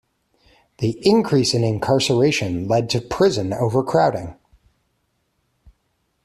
The increase in incarceration led to prison overcrowding.